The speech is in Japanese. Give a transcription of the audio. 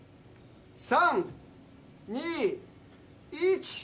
３２１。